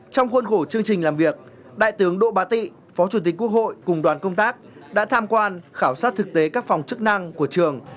trong khuôn khổ chương trình làm việc đại tướng độ bá tị phó chủ tịch quốc hội cùng đoàn công tác đã tham quan khảo sát thực tế các phòng chức năng của trường